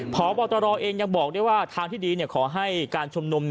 พบตรเองยังบอกได้ว่าทางที่ดีขอให้การชุมนุม